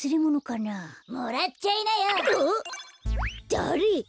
だれ？